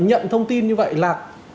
nhận thông tin như vậy là